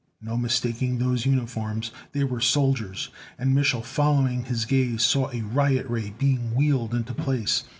No mistaking those uniforms; they were soldiers. And Mich'l, following his gaze, saw a riot ray being wheeled into place.